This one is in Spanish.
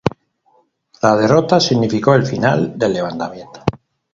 La derrota significó el final del levantamiento.